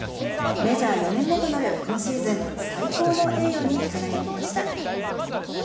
メジャー４年目となる今シーズン、最高の栄誉に輝きました。